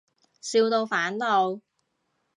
笑到反肚